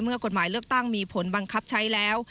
กฎหมายเลือกตั้งมีผลบังคับใช้แล้ว